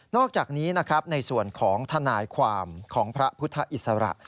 อกจากนี้นะครับในส่วนของทนายความของพระพุทธอิสระ